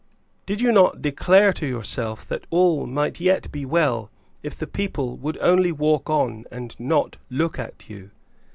Did you not declare to yourself that all might yet be well, if the people would only walk on and not look at you?